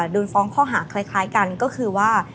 โดนฟ้องข้อหาคล้ายกันก็คือว่า